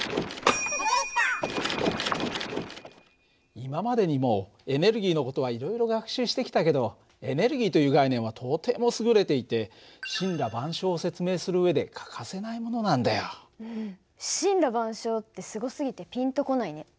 今までにもエネルギーの事はいろいろ学習してきたけどエネルギーという概念はとても優れていて森羅万象ってすごすぎてピンと来ないね。